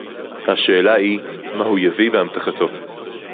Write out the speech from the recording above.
השאלה היא: מה הוא יביא באמתחתו